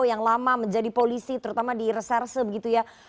yang lama menjadi polisi terutama di reserse begitu ya